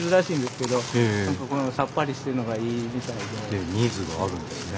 今日ニーズがあるんですね。